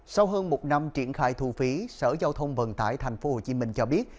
sau hơn một năm triển khai thu phí sở giao thông vận tải tp hcm cho biết